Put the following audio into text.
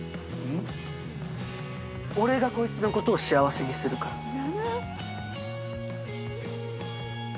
俺がこいつのことを幸せにするから。